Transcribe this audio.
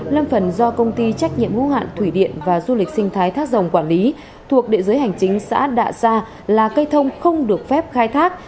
lâm phần do công ty trách nhiệm hữu hạn thủy điện và du lịch sinh thái thác rồng quản lý thuộc địa dưới hành chính xã đạ sa là cây thông không được phép khai thác